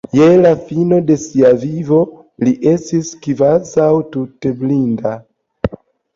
Je la fino de sia vivo li estis kvazaŭ tute blinda.